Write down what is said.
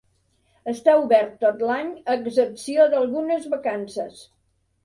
Està obert tot l'any a excepció d'algunes vacances.